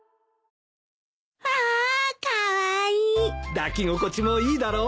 抱き心地もいいだろう？